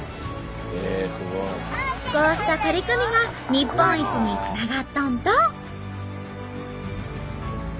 こうした取り組みが日本一につながっとんと！